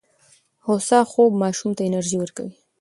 هوسا خوب ماشوم ته انرژي ورکوي.